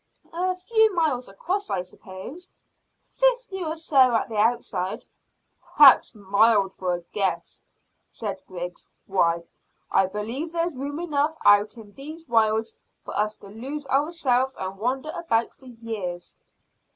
"A few miles across, I suppose fifty or so, at the outside." "That's mild for a guess," said Griggs. "Why, I believe, there's room enough out in these wilds for us to lose ourselves and wander about for years."